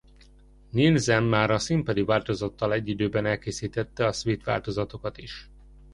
Nielsen már a színpadi változattal egy időben elkészítette a szvit változatokat is.